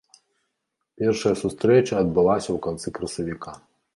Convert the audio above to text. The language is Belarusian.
Першая сустрэча адбылася ў канцы красавіка.